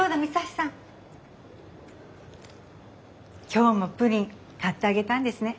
今日もプリン買ってあげたんですね。